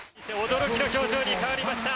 驚きの表情に変わりました。